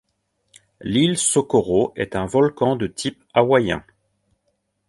L'île Socorro est un volcan de type hawaïen.